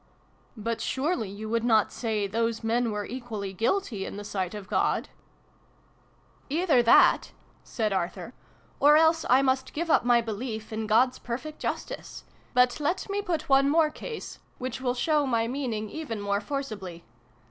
" But surely you would not say those men were equally guilty in the sight of God ?" 124 SYLVIE AND BRUNO CONCLUDED. " Either that,' 1 said Arthur, " or else I must give up my belief in God's perfect justice. But let me put one more case, which will show my meaning even more forcibly.